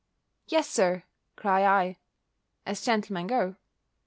"Yes Sir," cry I, "as gentlemen go."